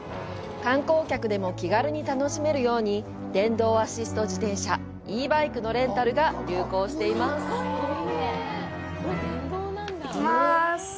観光客でも気軽に楽しめるように電動アシスト自転車「Ｅバイク」のレンタルが流行しています。